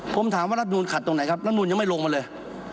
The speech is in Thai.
ผมถามว่ารัฐนูลขัดตรงไหนครับรัฐนูนยังไม่ลงมาเลย